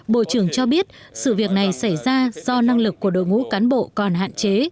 bộ trưởng cho biết sự việc này xảy ra do năng lực của đội ngũ cán bộ còn hạn chế